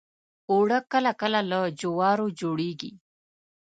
اوړه کله کله له جوارو جوړیږي